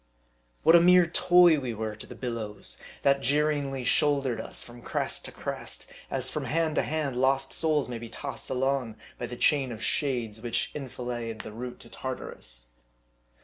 What a mere toy we were to the billows, that jeeringly M A R D I. 45 shouldered us from crest to crest, as from hand to hand lost souls may be tossed along by the chain of shades which en filade the route to Tartarus.